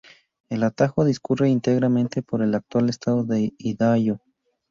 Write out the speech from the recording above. El atajo discurre íntegramente por el actual estado de Idaho.